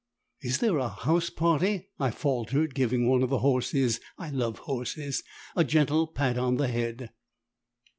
"Is there a house party?" I faltered, giving one of the horses I love horses a gentle pat on the head.